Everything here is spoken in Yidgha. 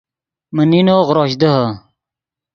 من نینو غروش دیہے